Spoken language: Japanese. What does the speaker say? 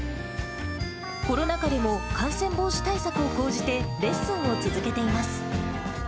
コロナ禍でも感染防止対策を講じてレッスンを続けています。